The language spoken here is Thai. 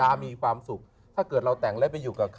โอ้โหนี่มดลูกแข็งแรงมาก